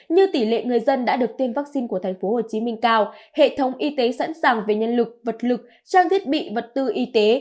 như tỷ lệ người dân đã được tiêm vaccine của thành phố hồ chí minh cao hệ thống y tế sẵn sàng về nhân lực vật lực trang thiết bị vật tư y tế